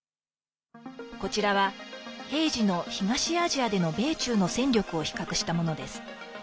こちらは平時の東アジアでの米中の戦力を比較したものです。